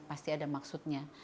pasti ada maksudnya